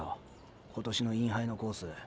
今年のインハイのコース。